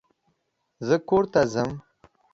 زه کورته ځم.